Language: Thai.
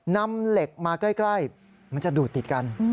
นำเหล็กมาใกล้มันจะดูดติดกัน